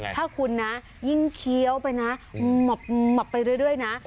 ถ้าคุณนะยิ่งเคี้ยวไปนะหมับไปเรื่อยนะ